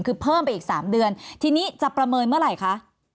คือเพิ่มไปอีก๓เดือนทีนี้จะประเมินเมื่อไหร่คะ